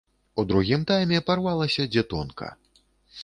У другім тайме парвалася дзе тонка.